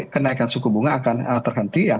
kenaikan suku bunga akan terhenti ya